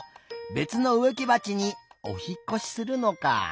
べつのうえきばちにおひっこしするのかあ。